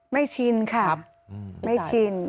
ชินค่ะไม่ชิน